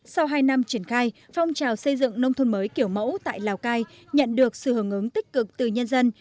sau hai năm triển khai phong trào xây dựng nông thôn mới kiểu mẫu tại lào cai nhận được sự hưởng ứng tích cực từ nhân dân